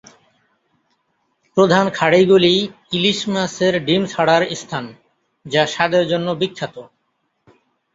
প্রধান খাড়িগুলি ইলিশ মাছের ডিম ছাড়ার স্থান, যা স্বাদের জন্য বিখ্যাত।